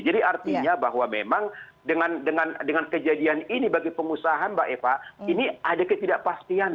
jadi artinya bahwa memang dengan kejadian ini bagi pengusahaan mbak eva ini ada ketidakpastian